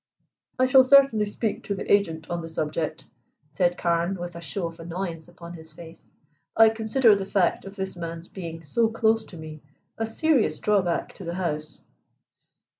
"I shall certainly speak to the agent on the subject," said Carne, with a show of annoyance upon his face. "I consider the fact of this man's being so close to me a serious drawback to the house."